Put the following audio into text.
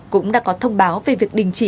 cũng đã có thông báo về việc đình chỉ